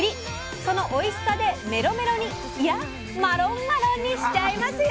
そのおいしさでメロメロにいや「マロンマロン」にしちゃいますよ！